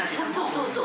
そうそう。